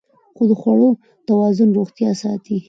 د خوړو توازن روغتیا ساتي.